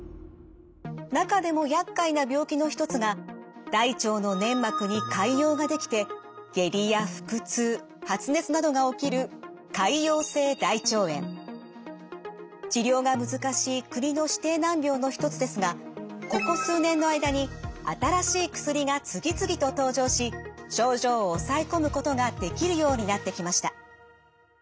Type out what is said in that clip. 中でもやっかいな病気の一つが大腸の粘膜に潰瘍ができて下痢や腹痛発熱などが起きる治療が難しい国の指定難病の一つですがここ数年の間に新しい薬が次々と登場し症状を抑え込むことができるようになってきました。